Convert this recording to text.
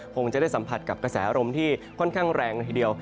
คงจะได้สัมผัสกับกระแสลมที่ค่อนข้างแรงละทีเดียว